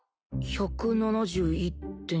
１７１．９。